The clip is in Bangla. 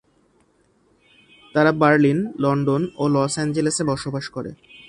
তারা বার্লিন, লন্ডন, ও লস অ্যাঞ্জেলেসে বসবাস করে।